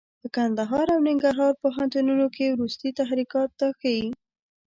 په کندهار او ننګرهار پوهنتونونو کې وروستي تحرکات دا ښيي.